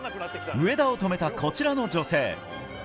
上田を止めた、こちらの女性。